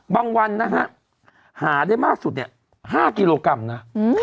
วันนะฮะหาได้มากสุดเนี่ย๕กิโลกรัมนะ